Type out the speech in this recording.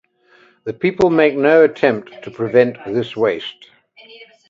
The people make no attempt to prevent this waste.